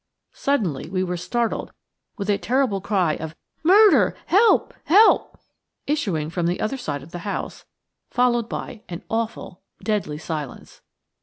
Suddenly we were startled with a terrible cry of "Murder! Help! Help!" issuing from the other side of the house, followed by an awful, deadly silence.